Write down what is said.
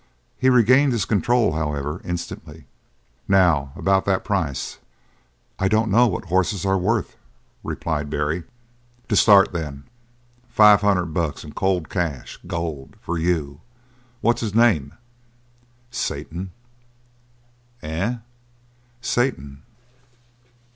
He regained his control, however, instantly. "Now about that price!" "I don't know what horses are worth," replied Barry. "To start, then five hundred bucks in cold cash gold! for your what's his name?" "Satan." "Eh?" "Satan."